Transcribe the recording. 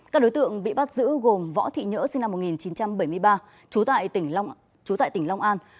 các đối tượng bị bắt giữ gồm võ thị nhỡ sinh năm một nghìn chín trăm bảy mươi ba trú tại tỉnh long an